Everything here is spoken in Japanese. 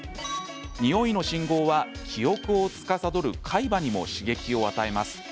匂いの信号は、記憶をつかさどる海馬にも刺激を与えます。